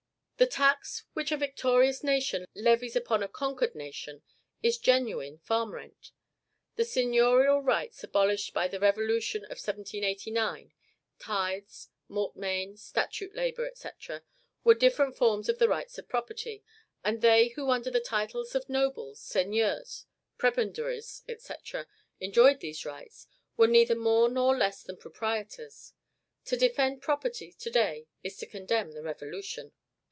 The tax which a victorious nation levies upon a conquered nation is genuine farm rent. The seigniorial rights abolished by the Revolution of 1789, tithes, mortmain, statute labor, &c., were different forms of the rights of property; and they who under the titles of nobles, seigneurs, prebendaries, &c. enjoyed these rights, were neither more nor less than proprietors. To defend property to day is to condemn the Revolution.